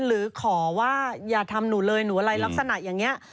หรือขอว่าอย่าทำหนูเลยหนูอะไรลักษณะอย่างนี้